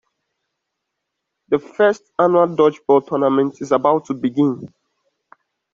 The First Annual Dodgeball Tournament is about to begin.